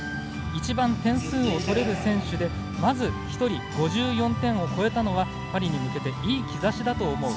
一番点数を取れる選手でまず１人、５４点を超えたのはパリに向けていい兆しだと思う。